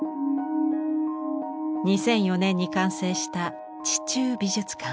２００４年に完成した「地中美術館」。